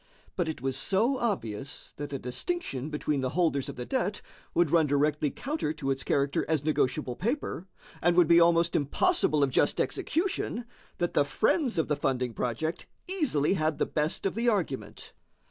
But it was so obvious that a distinction between the holders of the debt would run directly counter to its character as negotiable paper, and would be almost impossible of just execution, that the friends of the funding project easily had the best of the argument.